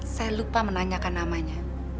saya lupa menanyakan namanya